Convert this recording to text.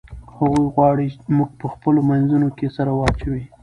هغوی غواړي موږ په خپلو منځونو کې سره واچوي.